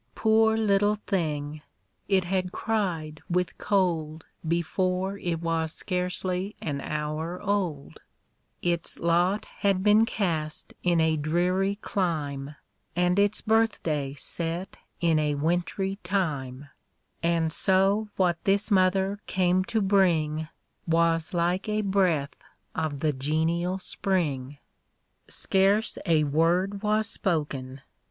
Poor little thing ! It had cried with cold Before it was scarcely an hour old ; Its lot had been cast in a dreary clime, And its birthday set ip a wintry time ; And so what this mother came to bring, Was like a breath of the genial spring. Scarce a word was spoken.